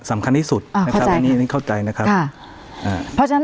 สำคัญที่สุดอ่าเข้าใจอ่านี่นี่เข้าใจนะครับอ่าเพราะฉะ